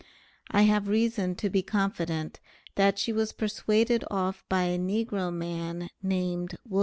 I have reason to be confident that she was persuaded off by a negro man named Wm.